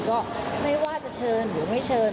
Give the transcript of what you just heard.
ก็ไม่ว่าจะเชิญหรือไม่เชิญ